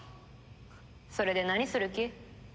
それで何する気？